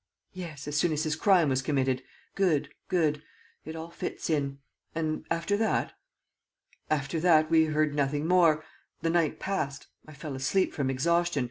"Yes, as soon as his crime was committed. Good. ... Good. ... It all fits in. ... And, after that?" "After that, we heard nothing more. ... The night passed. ... I fell asleep from exhaustion. .